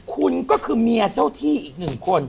คุณก็คือเมียเจ้าที่อีกหนึ่งคน